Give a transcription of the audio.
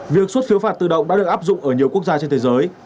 việc xuất phiếu phạt tự động đã được áp dụng ở nhiều quốc gia trên thế giới